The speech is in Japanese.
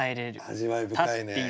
味わい深いね。